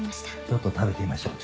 ちょっと食べてみましょう。